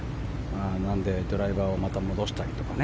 なのでドライバーをまた戻したりとか。